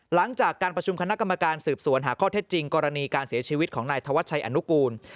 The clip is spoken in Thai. หลังจากการประชุมคณะกรรมการสืบสวนหาข้อเท็จจริงกรณีการเสียชีวิตของนายธวัชชัยอนุกูล